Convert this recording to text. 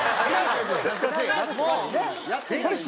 懐かしい。